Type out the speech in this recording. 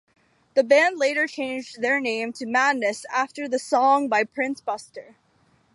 The band later changed their name to Madness after the song by Prince Buster.